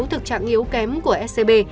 thực trạng yếu kém của scb